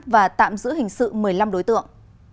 và tạm giữ hình sự một mươi năm đối tượng